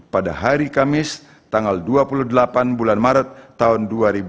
pada hari kamis tanggal dua puluh delapan bulan maret tahun dua ribu dua puluh